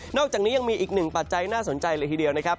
อกจากนี้ยังมีอีกหนึ่งปัจจัยน่าสนใจเลยทีเดียวนะครับ